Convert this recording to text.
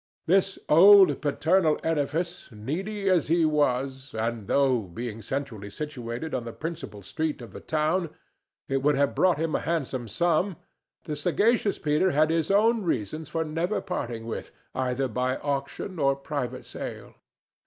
This old paternal edifice, needy as he was, and though, being centrally situated on the principal street of the town, it would have brought him a handsome sum, the sagacious Peter had his own reasons for never parting with, either by auction or private sale.